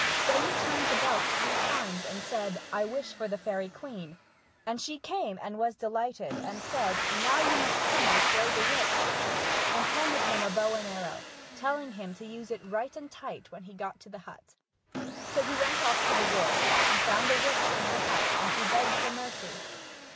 Then he turned the belt three times, and said :" I wish for the queen fairy." And she came, and was delighted, and said :" Now you must come and slay the witch," and she handed him a bow and arrow, telling him to use it right and tight when he got to the hut. So he went off to the wood, and found the witch in her hut, and she begged for mercy.